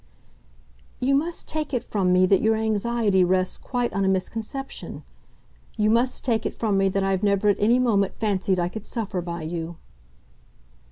"You must take it from me that your anxiety rests quite on a misconception. You must take it from me that I've never at any moment fancied I could suffer by you."